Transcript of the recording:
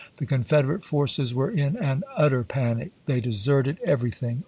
The Confed erate forces were in an utter panic ; they deserted every thing.